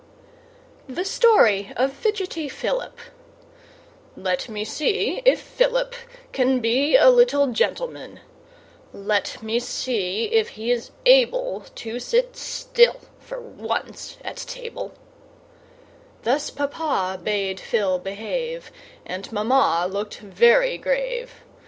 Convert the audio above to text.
The Story of Fidgety Philip "Let me see if Philip can Be a little gentleman; Let me see if he is able To sit still for once at table": Thus Papa bade Phil behave; And Mamma looked very grave.